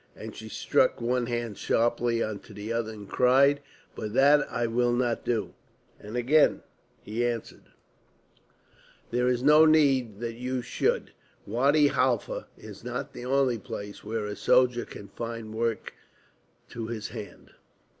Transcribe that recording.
'" And she struck one hand sharply into the other and cried, "But that I will not do." And again he answered: "There is no need that you should. Wadi Halfa is not the only place where a soldier can find work to his hand."